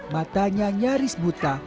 matanya nyaris buta